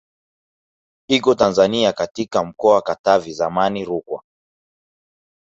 Iko Tanzania katika mkoa wa Katavi zamani Rukwa